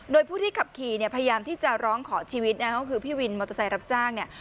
โดยผู้ที่ขับขี่เนี่ยพยายามที่จะร้องขอชีวิตนะครับก็คือพี่วินมอเตอร์ไซค์รับจ้างเนี่ย